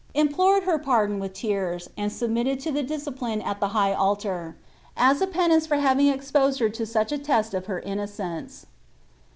Implored her pardon with tears, and submitted to the dis I eipiine ul the high altar, as a penance for having exposed her to such I • test of her innocence.'